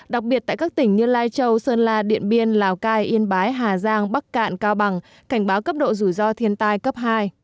đặc biệt tại các tỉnh như lai châu sơn la điện biên lào cai yên bái hà giang bắc cạn cao bằng cảnh báo cấp độ rủi ro thiên tai cấp hai